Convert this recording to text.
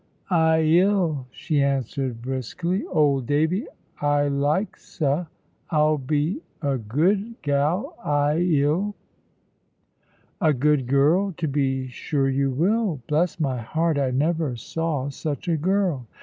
"I 'ill," she answered, briskly. "Old Davy, I likes 'a. I'll be a good gal, I 'ill." "A good girl! To be sure you will. Bless my heart, I never saw such a girl."